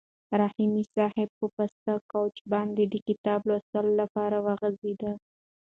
رحیمي صیب په پاسته کوچ باندې د کتاب لوستلو لپاره وغځېد.